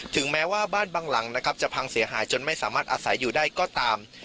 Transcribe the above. ถึงแม้ว่าบ้านบางหลังนะครับจะพังเสียหายจนไม่สามารถอาศัยอยู่ได้ก็ตาม